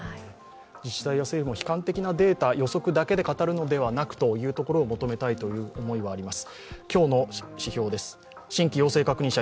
自治体や政府も悲観的なデータ予測だけで語るのではなくということを求めたいと思います。